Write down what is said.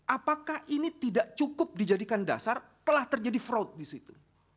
apakah ini tidak cukup dijadikan dasar telah terjadi fraud di situ